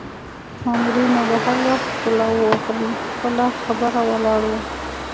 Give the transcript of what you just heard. مامورینو به هر وخت غولاوه او پر خپله خبره ولاړ وو.